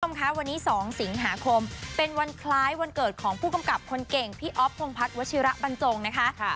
คุณผู้ชมคะวันนี้๒สิงหาคมเป็นวันคล้ายวันเกิดของผู้กำกับคนเก่งพี่อ๊อฟพงพัฒน์วัชิระบรรจงนะคะ